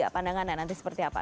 pandangan anda nanti seperti apa